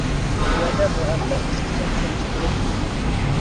تۆۋەندە بۇ ھەقتە قىسقىچە چۈشەنچە بېرىپ ئۆتىمەن.